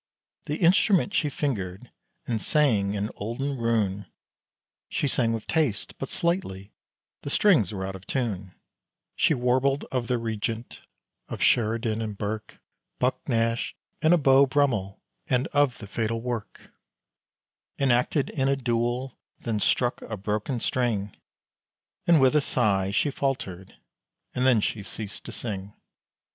The instrument she fingered, and sang an olden rune, She sang with taste, but slightly, the strings were out of tune, She warbled of the Regent, of Sheridan and Burke, Buck Nash, and of Beau Brummel, and of the fatal work, Enacted in a duel, then struck a broken string, And with a sigh she faltered, and then she ceased to sing.